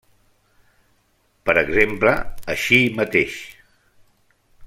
Per exemple: així mateix.